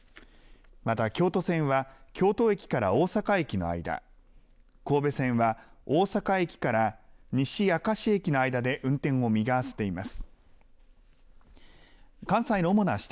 また京都線は京都駅から大阪駅の間、神戸線は大阪駅から西明石駅の間で運転を見合わせています。